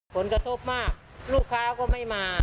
ผลกระทบมากลูกค้าก็ไม่มา